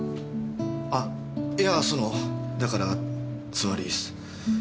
あいやそのだからつまりその。